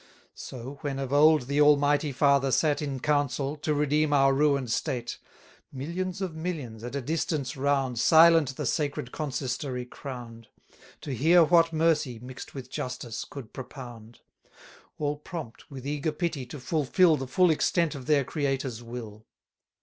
So, when of old the Almighty Father sate In council, to redeem our ruin'd state, 500 Millions of millions, at a distance round, Silent the sacred consistory crown'd, To hear what mercy, mix'd with justice, could propound: All prompt, with eager pity, to fulfil The full extent of their Creator's will.